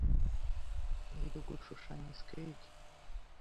yiga gushushanya skate.